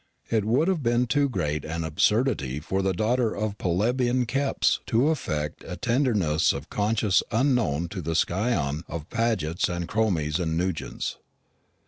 It would have been too great an absurdity for the daughter of plebeian Kepps to affect a tenderness of conscience unknown to the scion of Pagets and Cromies and Nugents.